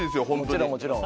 もちろんもちろん。